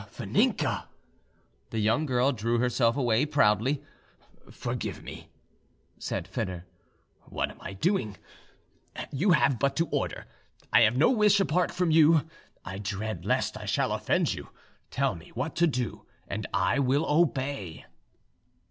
"Vaninka!" The young girl drew herself away proudly. "Forgive me!" said Foedor. "What am I doing? You have but to order: I have no wish apart from you. I dread lest I shall offend you. Tell me what to do, and I will obey."